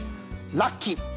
ラッキー！